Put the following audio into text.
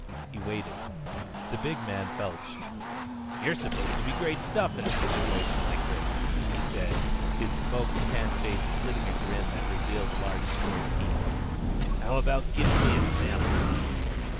He waited. The big man belched. "You're supposed to be great stuff in a situation like this," he said, his smoke tan face splitting in a grin that revealed large square teeth. "How about giving me a sample?"